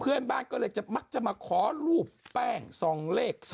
เพื่อนบ้านก็เลยจะมักจะมาขอรูปแป้ง๒เลข๒